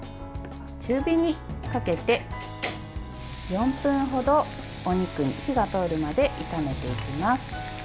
中火にかけて４分程お肉に火が通るまで炒めていきます。